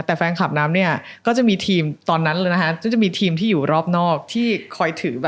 แต่แฟนคลับน้ำเนี่ยก็จะมีทีมก็จะมีทีมที่อยู่รอบนอกที่คอยถือแบบ